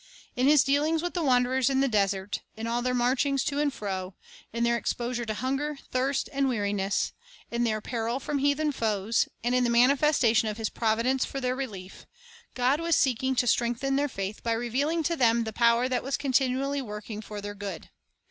In His dealings with the wanderers in the desert, in all their marchings to and fro, in their exposure to hunger, thirst, and weariness, in their peril from heathen foes, and in the manifestation of His providence for their relief, God was seeking to strengthen their faith by revealing to them the power that was continu ally working for their good.